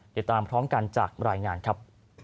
ติดตามพร้อมกันจากรายงานครับ